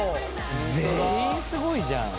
全員すごいじゃん。